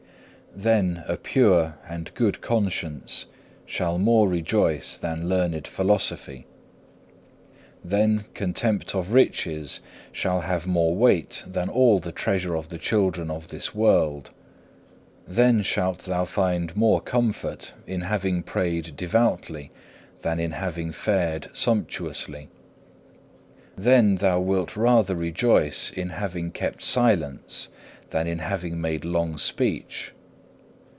6. Then a pure and good conscience shall more rejoice than learned philosophy. Then contempt of riches shall have more weight than all the treasure of the children of this world. Then shalt thou find more comfort in having prayed devoutly than in having fared sumptuously. Then thou wilt rather rejoice in having kept silence than in having made long speech.